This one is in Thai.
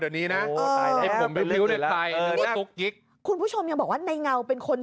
เดี๋ยวนี้น่ะเออตายแล้วเออนี่คุณผู้ชมยังบอกว่าในเงาเป็นคน